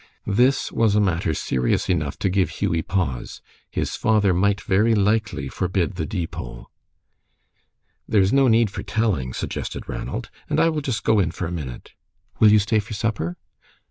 This was a matter serious enough to give Hughie pause. His father might very likely forbid the Deepole. "There is no need for telling," suggested Ranald. "And I will just go in for a minute." "Will you stay for supper?"